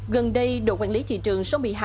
gần đây đội quản lý thị trường số một mươi hai